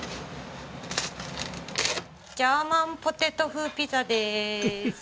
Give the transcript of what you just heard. ジャーマンポテト風ピザです。